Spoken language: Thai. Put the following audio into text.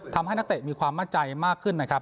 นักเตะมีความมั่นใจมากขึ้นนะครับ